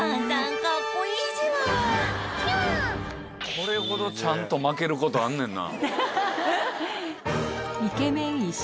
これほどちゃんと負けることあんねんな。